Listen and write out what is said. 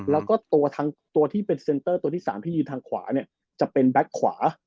แล้วก็ตัวที่เป็นเซ็นเตอร์ตัวที่๓ที่ยืนทางขวาเนี่ยจะเป็นแบ็คขวา